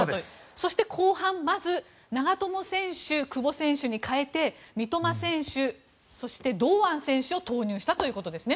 そして、後半長友選手、久保選手に代えて三笘選手、そして堂安選手を投入したということですね。